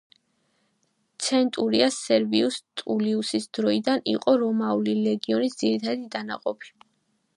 ცენტურია სერვიუს ტულიუსის დროიდან იყო რომაული ლეგიონის ძირითადი დანაყოფი.